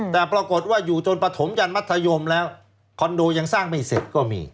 แต่ปรากฏว่าอยู่จนปฐมยันมัธยมแล้วคอนโดยังสร้างไม่เสร็จก็มี